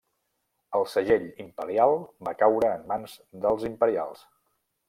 El segell imperial va caure en mans dels imperials.